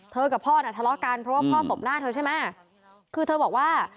กับพ่อน่ะทะเลาะกันเพราะว่าพ่อตบหน้าเธอใช่ไหมคือเธอบอกว่า